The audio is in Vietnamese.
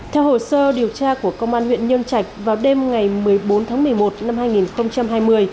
theo hồ sơ điều tra của công an huyện nhân trạch vào đêm ngày một mươi bốn tháng một mươi một năm hai nghìn hai mươi